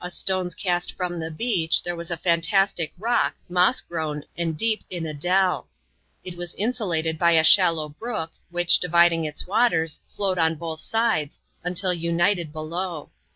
A stone's cast from the beach there was a fantastic rock, moss grown, and deep in a delL It was insulated bj a shallow brook, which, dividing its waters, flowed on both sides, until united below.